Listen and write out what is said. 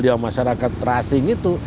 yang masyarakat terasing itu